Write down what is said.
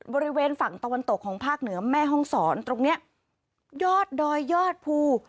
บริเวณฝั่งตะวันตกของภาคเหนือแม่ห้องศรตรงเนี้ยยอดดอยยอดภู